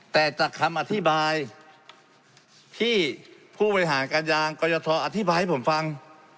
แต่จากคำอธิบายที่ผู้บริหารการยางกรยทอธิบายให้ผมฟัง